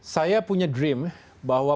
saya punya mimpi bahwa